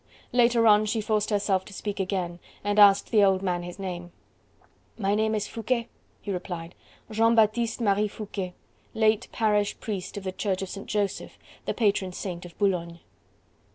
Later on, she forced herself to speak again, and asked the old man his name. "My name is Foucquet," he replied, "Jean Baptiste Marie Foucquet, late parish priest of the Church of Saint Joseph, the patron saint of Boulogne."